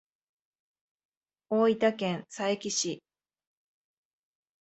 大分県佐伯市